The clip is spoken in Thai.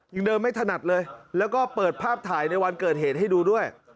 ยังเดินไม่ถนัดเลยแล้วก็เปิดภาพถ่ายในวันเกิดเหตุให้ดูด้วย